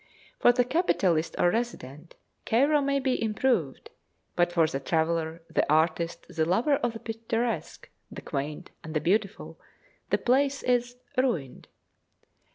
For the capitalist or resident, Cairo may be improved, but for the traveller, the artist, the lover of the picturesque, the quaint, and the beautiful, the place is ruined.